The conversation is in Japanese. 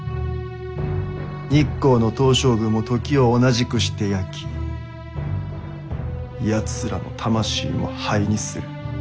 日光の東照宮も時を同じくして焼きやつらの魂も灰にする。